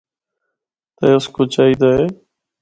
تے اُس کو چاہی دا اے۔